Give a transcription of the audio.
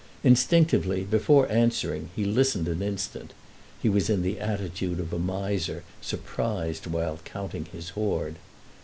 Instinctively, before answering, he listened an instant—he was in the attitude of a miser surprised while counting his hoard.